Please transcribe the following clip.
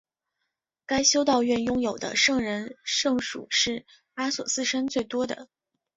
该修道院拥有的圣人圣髑是阿索斯山最多的。